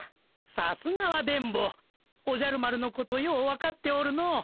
さすがは電ボおじゃる丸のことよう分かっておるの。